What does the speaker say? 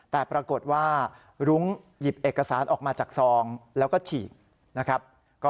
แต่ปรากฏว่ารุ้งหยิบเอกสารออกมาจากซองแล้วก็ฉีกนะครับ